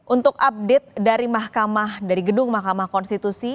untuk update dari mahkamah dari gedung mahkamah konstitusi